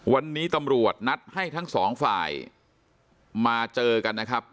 วันนี้ตำรวจนัดให้ทั้งสองฝ่ายมาเจอกันนะครับ